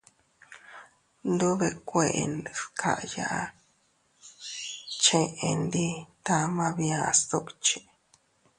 Tndubekuen dkaya cheʼe ndi tama bia sdukchi.